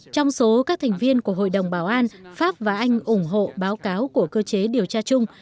trong số các thành viên của hội đồng bảo an pháp và anh ủng hộ báo cáo của cơ chế điều tra chung